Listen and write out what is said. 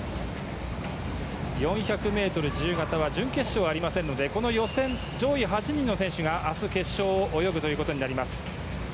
４００ｍ自由形は準決勝がありませんのでこの予選、上位８人の選手が明日決勝を泳ぐことになります。